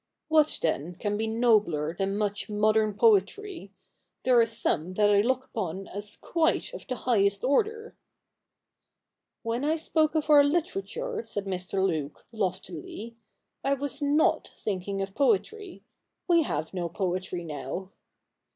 What, then, can be nobler than much modern poetry? There is some that I look upon as quite of the highest order.' ' When I spoke of our literature,' said Mr. Luke loftily, ' I was not thinking of poetry. We have no poetry now.'